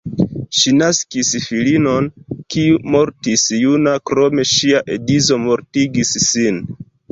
Ŝi naskis filinon, kiu mortis juna, krome ŝia edzo mortigis sin.